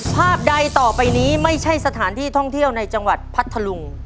ภาพใดต่อไปนี้ไม่ใช่สถานที่ท่องเที่ยวในจังหวัดพัทธลุง